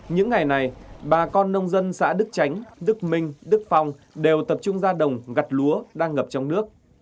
những ngày này bà con nông dân xã đức tránh đức minh đức phong đều tập trung ra đồng gặt lúa đang ngập trong nước